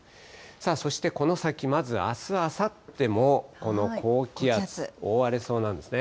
そしてこの先、まずあす、あさってもこの高気圧、覆われそうなんですね。